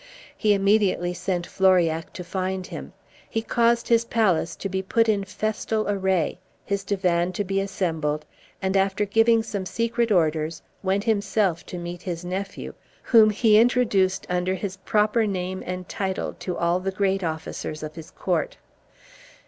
He immediately sent Floriac to find him; he caused his palace to be put in festal array, his divan to be assembled, and after giving some secret orders, went himself to meet his nephew, whom he introduced under his proper name and title to all the great officers of his court.